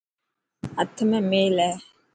هٿ ۾ ميل هي.